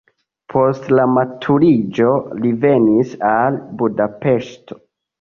Post la maturiĝo li venis al Budapeŝto.